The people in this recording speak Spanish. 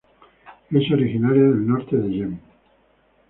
Es originaria del norte de Yemen.